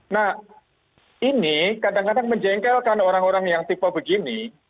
nah ini kadang kadang menjengkelkan orang orang yang tipe begini